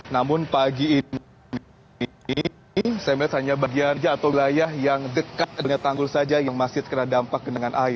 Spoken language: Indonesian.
namun pagi ini saya melihat hanya bagian jatuh wilayah yang dekat dengan tanggul saja yang masih terkena